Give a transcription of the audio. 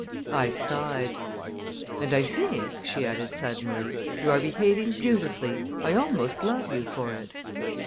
I sighed. "And I think," she added suddenly, "you are behaving beautifully I almost love you for it."